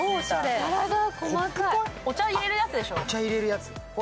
お茶入れるやつでしょう。